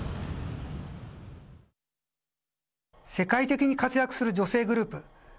世界的に活躍する女性グループ